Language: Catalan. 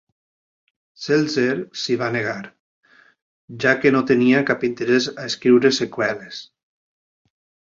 Seltzer s'hi va negar, ja que no tenia cap interès a escriure seqüeles.